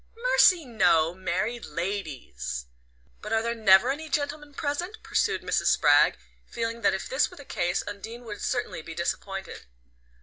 "Mercy, no! Married ladies." "But are there never any gentlemen present?" pursued Mrs. Spragg, feeling that if this were the case Undine would certainly be disappointed.